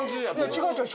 違う違う。